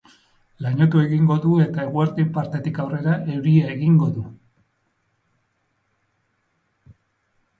Lainotu egingo du eta eguerdi partetik aurrera euria egingo du.